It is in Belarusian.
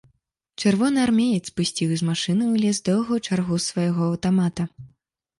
Чырвонаармеец пусціў з машыны ў лес доўгую чаргу з свайго аўтамата.